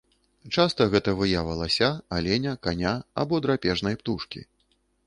Часта гэта выява лася, аленя, каня або драпежнай птушкі.